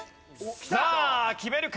さあ決めるか？